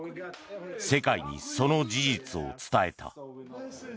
世界に、その事実を伝えた。